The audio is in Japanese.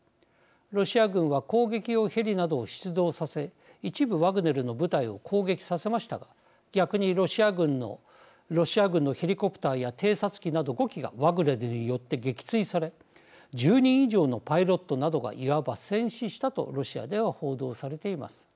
ロシア軍は攻撃用ヘリなどを出動させ一部ワグネルの部隊を攻撃させましたが逆にロシア軍のヘリコプターや偵察機など５機がワグネルによって撃墜され１０人以上のパイロットなどがいわば戦死したとロシアでは報道されています。